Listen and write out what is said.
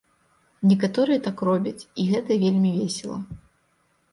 Некаторыя так робяць, і гэта вельмі весела.